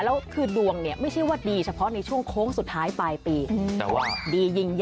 แล้วคือดวงไม่ใช่ว่าดีเฉพาะในช่วงโค้งสุดท้ายปลายปี